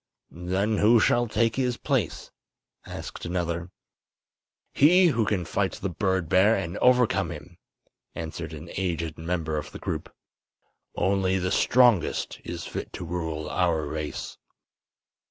"Then who shall take his place?" asked another. "He who can fight the bird bear and overcome him," answered an aged member of the group. "Only the strongest is fit to rule our race."